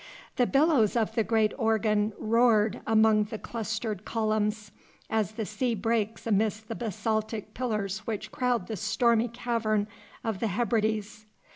The billows of the great organ roared among the clustered columns, as the sea breaks amidst the basaltic pillars which crowd the stormy cavern of the Hebrides.